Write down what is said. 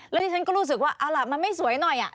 และที่ฉันก็รู้สึกว่ามันไม่สวยหน่อย